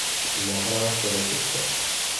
Na hráz vede cesta.